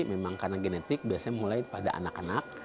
memang karena genetik biasanya mulai pada anak anak